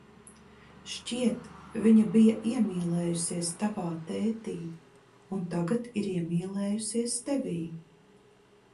Šķiet, viņa bija iemīlējusies tavā tētī un tagad ir iemīlējusies tevī.